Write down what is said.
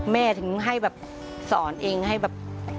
ถึงให้แบบสอนเองให้แบบ